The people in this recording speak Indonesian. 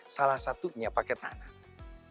salah satunya pakai tanganmu